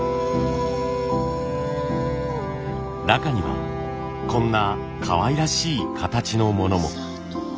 中にはこんなかわいらしい形のものも。